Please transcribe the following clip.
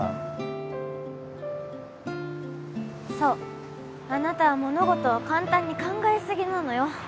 あなたは物事を簡単に考えすぎなのよ